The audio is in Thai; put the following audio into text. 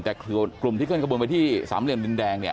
แต่กลุ่มที่ขึ้นกระบวนไปที่สามเหลี่ยมดินแดง